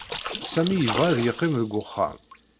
Sami yebɣa ad yeqqim deg uxxam.